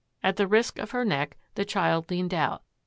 At the risk of her neck the child leaned out.